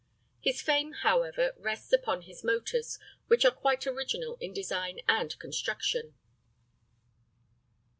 His fame, however, rests upon his motors, which are quite original in design and construction.